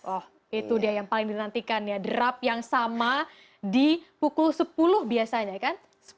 oh itu dia yang paling dinantikan ya draft yang sama di pukul sepuluh biasanya kan